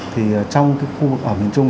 thì trong cái khu vực ở miền trung